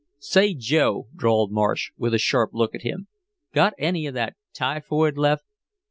"Say, Joe," drawled Marsh, with a sharp look at him. "Got any of that typhoid left?"